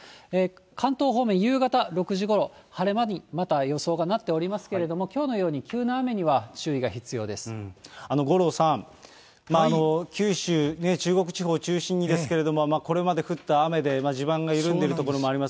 関東方面、夕方６時ごろ、晴れ間にまた予想がなっておりますけれども、きょうのように急な五郎さん、九州、中国地方を中心にですけれども、これまで降った雨で地盤が緩んでいる所もあります。